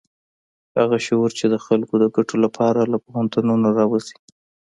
هغه شعور چې د خلکو د ګټو لپاره له پوهنتونونو راوزي.